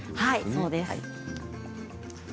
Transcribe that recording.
そうです。